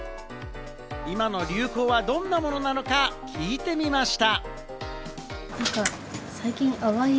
今の流行はどんなものなのか聞いてみました。